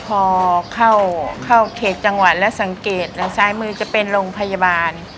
พอเข้าเขตจังหวัดแล้วสังเกตซ้ายมือจะเป็นโรงพยาบาล